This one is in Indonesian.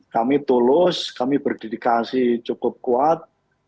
kami tulus kami berdedikasi cukup kuat